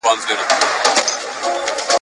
زړه مي تور له منبرونو د ریا له خلوتونو `